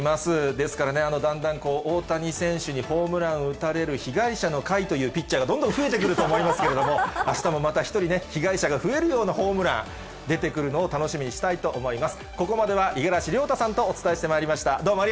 ですからね、だんだん大谷選手にホームラン打たれる被害者の会というピッチャーがどんどん増えてくると思いますけれども、あしたもまた１人ね、被害者が増えるようなホームラン、出てくるのを楽しみにしたいと思います。